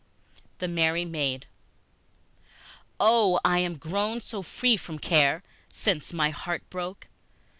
The Merry Maid OH I am grown so free from care Since my heart broke!